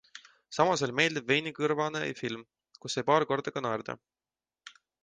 Samas oli meeldiv veinikõrvane film, kus sai paar korda ka naerda.